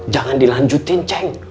jangan dilanjutin ceng